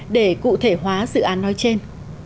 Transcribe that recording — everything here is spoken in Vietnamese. để cụ thể hóa dự án nói trên